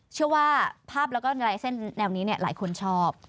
เชื่อว่าภาพแล้วก็แรงลายเส้นแนวนี้หลายคนชอบ